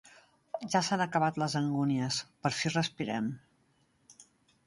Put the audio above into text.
Ja s'han acabat les angúnies: per fi respirem!